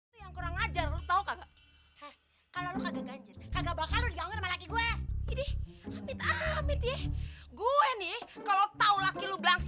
sampai jumpa di video selanjutnya